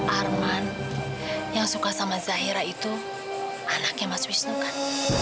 arman yang suka sama zahira itu anaknya mas wisnu kan